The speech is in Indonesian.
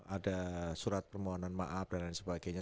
ada surat permohonan maaf dan lain sebagainya